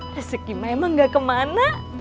reseki memang gak kemana